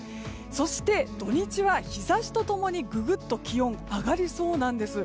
そして土日は日差しと共にググっと気温上がりそうなんです。